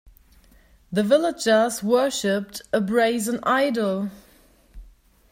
The villagers worshipped a brazen idol